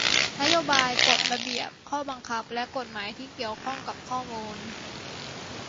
นโยบาย กฎ ระเบียบ ข้อบังคับ และกฎหมายที่เกี่ยวข้องกับข้อมูล